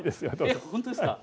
えっ本当ですか？